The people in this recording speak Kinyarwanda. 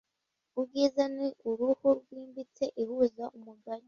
ubwiza ni uruhu rwimbitse ihuza umugani